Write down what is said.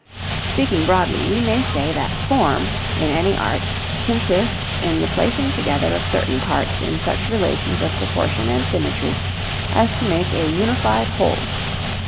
Speaking broadly we may say that form in any art consists in the placing together of certain parts in such relations of proportion and symmetry as to make a unified whole.